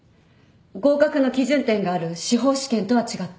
合格の基準点がある司法試験とは違って。